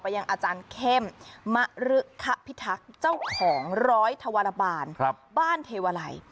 ยังอาจารย์เข้มมะรึคพิทักษ์เจ้าของร้อยธวรบาลบ้านเทวาลัย